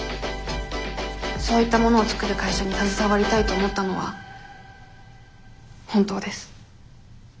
そういったものを作る会社に携わりたいと思ったのは本当です。